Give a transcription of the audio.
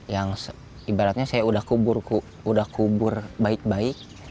yang ibaratnya saya udah kubur baik baik